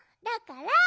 だから。